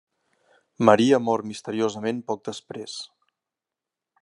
Maria mor misteriosament poc després.